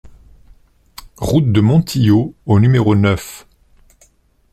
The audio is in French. Route de Montillot au numéro neuf